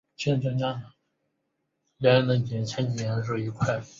兴趣是购物。